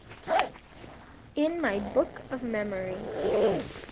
In my book of memory